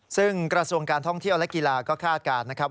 ซึ่งกระทรวงการท่องเที่ยวและกีฬาก็คาดการณ์นะครับ